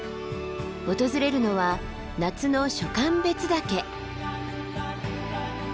訪れるのは夏の暑寒別岳。